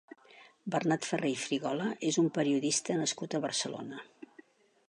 Bernat Ferrer i Frigola és un periodista nascut a Barcelona.